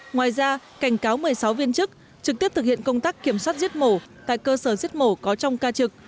ngoài ra cảnh cáo một mươi sáu viên chức trực tiếp thực hiện công tác kiểm soát giết mổ tại cơ sở giết mổ có trong ca trực